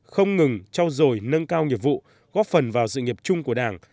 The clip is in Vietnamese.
không ngừng trao dồi nâng cao nghiệp vụ góp phần vào sự nghiệp chung của đảng